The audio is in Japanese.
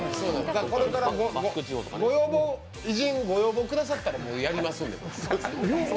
これから偉人、ご要望くださったらやりますんで。